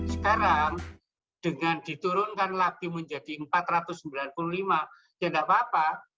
sekarang dengan diturunkan lagi menjadi rp empat ratus sembilan puluh lima jendak bapak